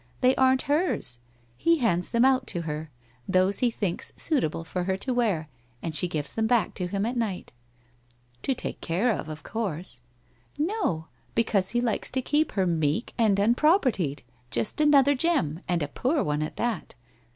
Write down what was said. They aren't hers. He hands them out to her — those he thinks suitable for her to wear, and she gives them back to him at night.' ' To take care of, of course.' 1 No, because he likes to keep her meek and unprop ertied, just another gem, and a poor one at that.